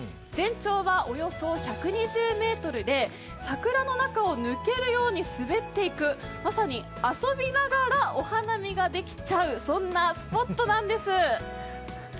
全長がおよそ１２０ｍで桜の中を抜けるように滑っていくまさに遊びながらお花見ができちゃう、そんなスポットなんです。